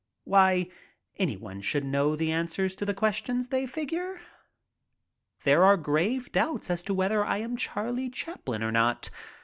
Why, anyone should know the answers to the questions, they figure. There are grave doubts as to whether I am Charlie Chaplin or not.